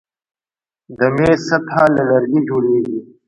د میز سطحه له لرګي جوړیږي.